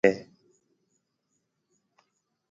آج مهوريَ گهري ڌرمِي گُرو آئي هيَ۔